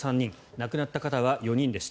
亡くなった方は４人でした。